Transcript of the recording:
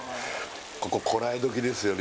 こここらえどきですよね